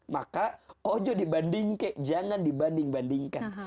maka ojo dibanding kek jangan dibanding bandingkan